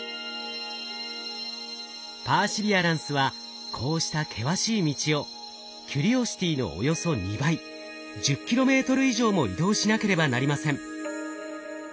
パーシビアランスはこうした険しい道をキュリオシティのおよそ２倍１０ｋｍ以上も移動しなければなりません。